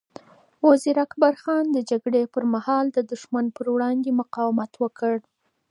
وزیر اکبر خان د جګړې پر مهال د دښمن پر وړاندې مقاومت وکړ.